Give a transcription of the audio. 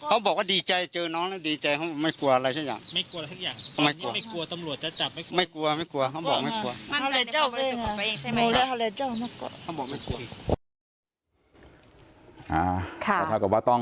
อันนี้ก็เลยเป็นคนนำพาไปทางตะวันออกตะวันตก